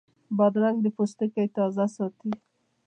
بادرنګ د پوستکي تازه ساتي.